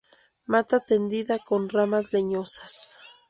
Mata tendida con ramas leñosas.